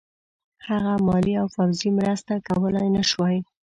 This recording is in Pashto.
هغه مالي او پوځي مرسته کولای نه شوای.